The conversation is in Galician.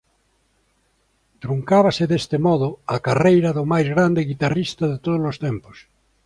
Truncábase deste modo a carreira do máis grande guitarrista de tódolos tempos.